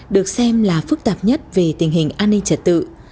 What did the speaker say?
được xem là phức tạp nhất về tình hình an ninh trật tự